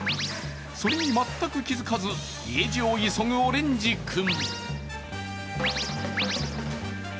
それに全く気づかず、家路を急ぐオレンジ君。